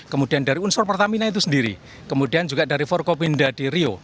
kemudian dari unsur pertamina itu sendiri kemudian juga dari forkopinda di rio